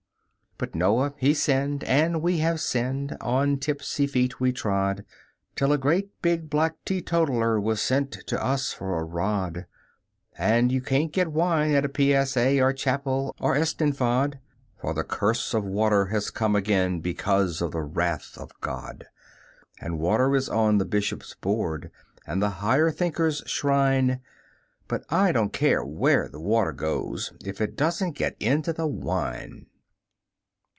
But Noah he sinned, and we have sinned; on tipsy feet we trod, Till a great big black teetotaller was sent to us for a rod, And you can't get wine at a P.S.A., or chapel, or Eisteddfod, For the Curse of Water has come again because of the wrath of God, And water is on the Bishop's board and the Higher Thinker's shrine, But I don't care where the water goes if it doesn't get into the wine.